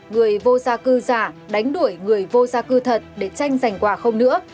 người vô gia cư giả đánh đuổi người vô gia cư thật để tranh giành quà không nữa